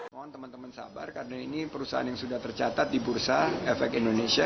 mohon teman teman sabar karena ini perusahaan yang sudah tercatat di bursa efek indonesia